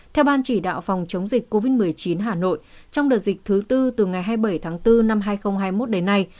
theo ban chỉ đạo phòng chống dịch covid một mươi chín hà nội trong đợt dịch thứ tư từ ngày hai mươi bảy tháng bốn năm hai nghìn hai mươi một đến nay